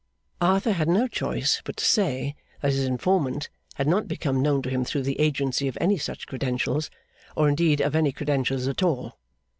Arthur had no choice but to say that his informant had not become known to him through the agency of any such credentials, or indeed of any credentials at all.